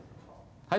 はい